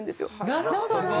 なるほどね